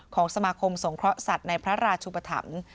ของสมาคมสงเคราะห์สัตว์ในพระราชุปธรรม